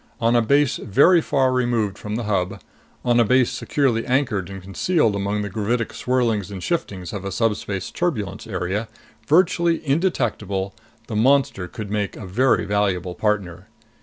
On a base very far removed from the Hub, on a base securely anchored and concealed among the gravitic swirlings and shiftings of a subspace turbulence area, virtually indetectable, the monster could make a very valuable partner.